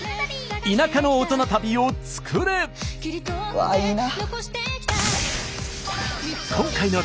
うわいいな。